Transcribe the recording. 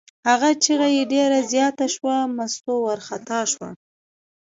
هغه چغه یې ډېره زیاته شوه، مستو وارخطا شوه.